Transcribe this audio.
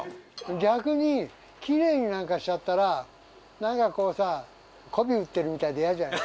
逆にキレイになんかしちゃったらなんかこうさ媚び売ってるみたいでイヤじゃない？